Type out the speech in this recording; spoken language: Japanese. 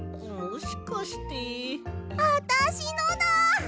あたしのだ！